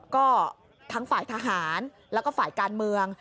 ก็ทั้งฝ่ายทหารแล้วก็ฝ่ายการเมือง